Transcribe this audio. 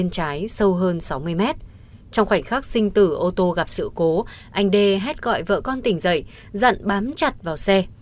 trong khoảnh khắc sinh tử ô tô gặp sự cố anh đê hết gọi vợ con tỉnh dậy dặn bám chặt vào xe